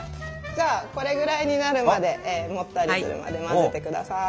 じゃあこれぐらいになるまでもったりするまで混ぜてください。